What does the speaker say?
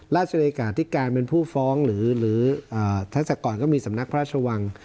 ราชินิกาธิการเป็นผู้ฟ้องหรือหรือเอ่อทั้งแต่ก่อนก็มีสำนักพระราชวัง